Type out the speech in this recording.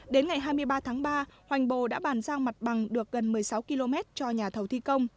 đến ngày hai mươi ba tháng ba hoành bồ đã bàn giao mặt bằng được gần một mươi sáu km cho nhà thầu thi công